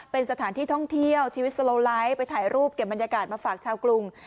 เป็นสถานที่ท่องเที่ยวชีวิตสโลไลท์ไปถ่ายรูปเก็บบรรยากาศมาฝากชาวกรุง